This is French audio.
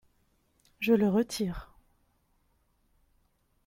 Je le retire.